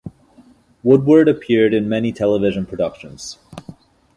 Woodward appeared in many television productions.